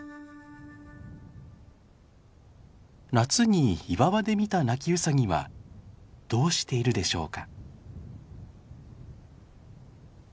夏に岩場で見たナキウサギはどうしているでしょうか？